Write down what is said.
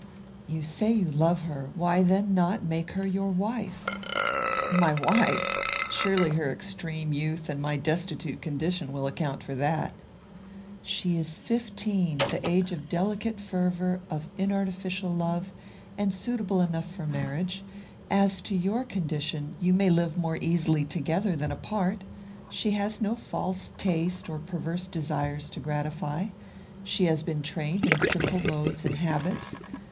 "You say you love her: why then not make her your wife?" "My wife! Surely her extreme youth, and my destitute condition, will account for that." "She is fifteen; the age of delicate fervour, of inartificial love, and suitable enough for marriage. As to your condition, you may live more easily together than apart. She has no false taste or perverse desires to gratify. She has been trained in simple modes and habits.